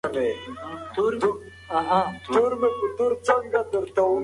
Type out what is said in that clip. احمدشاه بابا د مفسدینو د ځپلو لپاره اقدام وکړ.